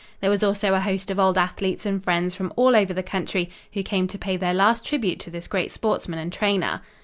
There was also a host of old athletes and friends from all over the country who came to pay their last tribute to this great sportsman and trainer.